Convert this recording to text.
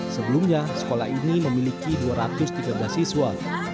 sebelumnya sekolah ini memiliki dua ratus tiga belas siswa